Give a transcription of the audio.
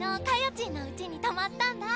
ちんのうちに泊まったんだ。